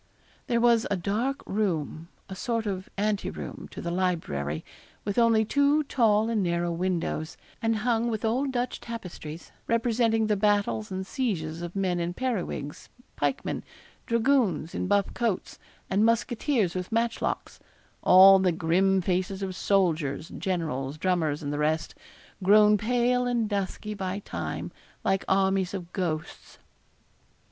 There was a dark room, a sort of ante room, to the library, with only two tall and narrow windows, and hung with old Dutch tapestries, representing the battles and sieges of men in periwigs, pikemen, dragoons in buff coats, and musketeers with matchlocks all the grim faces of soldiers, generals, drummers, and the rest, grown pale and dusky by time, like armies of ghosts.